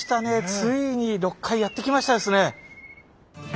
ついに６階やって来ましたですね！